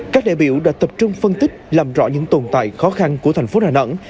các đại biểu đã tập trung phân tích làm rõ những tồn tại khó khăn của thành phố đà nẵng